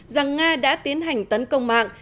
rằng nga đã tiến hành tấn công mạng